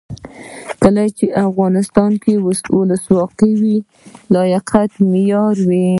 کله چې افغانستان کې ولسواکي وي لیاقت معیار وي.